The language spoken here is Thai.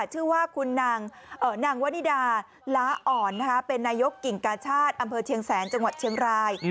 ชื่อว่าคุณนางวนิดาล้าอ่อนเป็นนายกกิ่งกาชาติอำเภอเชียงแสนจังหวัดเชียงราย